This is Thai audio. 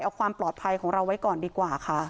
เอาความปลอดภัยของเราไว้ก่อนดีกว่าค่ะ